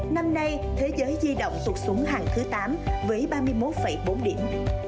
năm nay thế giới di động sụt xuống hàng thứ tám với ba mươi một bốn điểm